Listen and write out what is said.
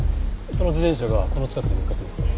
その自転車がこの近くで見つかってます。